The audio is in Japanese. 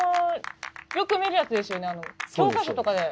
よく見るやつですよね？